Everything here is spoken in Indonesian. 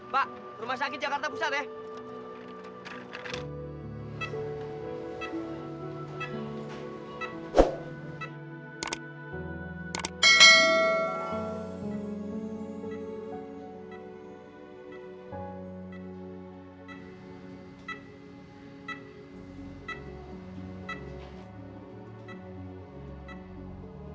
pak rumah sakit jakarta pusat ya